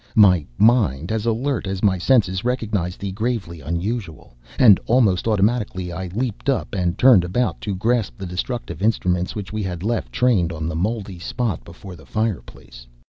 My mind, as alert as my senses, recognized the gravely unusual; and almost automatically I leaped up and turned about to grasp the destructive instruments which we had left trained on the moldy spot before the fireplace.